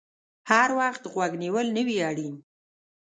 هر وخت غوږ نیول نه وي اړین